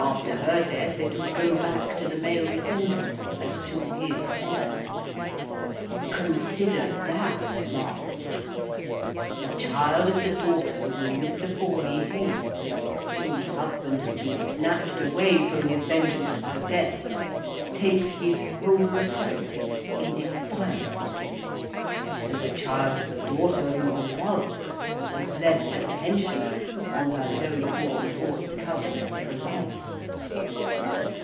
After her death, it would go back to the male descendant, and to his heirs.' Consider that, ma'am! The child of the daughter whom Mr. Forley hates, whose husband has been snatched away from his vengeance by death, takes his whole property in defiance of him; and the child of the daughter whom he loves, is left a pensioner on her low born boy cousin for life!